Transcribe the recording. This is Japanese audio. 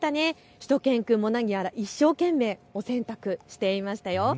しゅと犬くんも何やら一生懸命、お洗濯をしていましたよ。